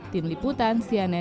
tim liputan cnn indonesia